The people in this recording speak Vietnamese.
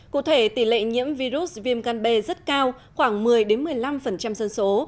cụ thể tỷ lệ nhiễm virus viêm gan b rất cao khoảng một mươi một mươi năm dân số